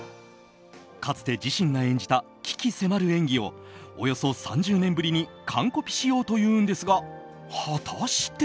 かつて自身が演じた鬼気迫る演技をおよそ３０年ぶりに完コピしようというんですが果たして。